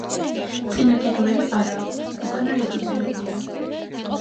წინა კიდურები არა აქვთ, უკანა რედუცირებულია.